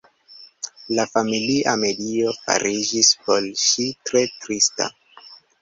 La familia medio fariĝis por ŝi tre trista.